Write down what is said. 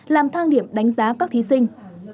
làm thang điểm đánh giá các thí sinh